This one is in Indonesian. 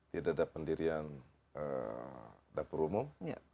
tidak ada pendirian dapur umum